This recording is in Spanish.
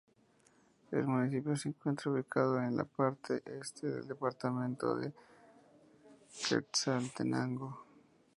El municipio se encuentra ubicado en la parte este del departamento de Quetzaltenango.